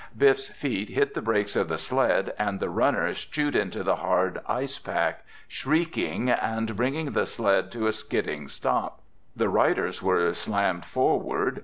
Biff's feet hit the brakes of the sled and the runners chewed into the hard ice pack, shrieking, and bringing the sled to a skidding stop. The riders were slammed forward.